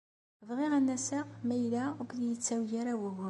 Bɣiɣ ad n-aseɣ ma yella ur ak-d-yettawi ara ugur.